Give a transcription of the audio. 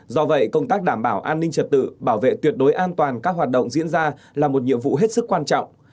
do vậy công tác đảm bảo an ninh trật tự bảo vệ tuyệt đối an toàn các hoạt động diễn ra là một nhiệm vụ hết sức quan trọng